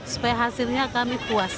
supaya hasilnya kami puas